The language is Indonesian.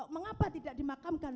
mengapa tidak dimakamkan